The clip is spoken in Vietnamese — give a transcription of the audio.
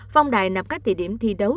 phong đại nạp các tỷ điểm thi đấu